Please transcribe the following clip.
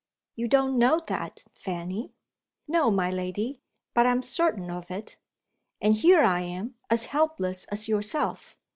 "You don't know that, Fanny." "No, my lady but I'm certain of it. And here I am, as helpless as yourself!